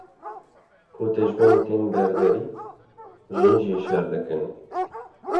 Ku dijmin tên ber derî, jin jî şer dikin.